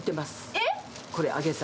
えっ？